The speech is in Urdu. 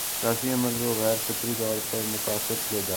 سیاسی عمل کو غیر فطری طور پر متاثر کیا جا رہا ہے۔